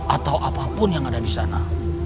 atau apapun yang ada di sana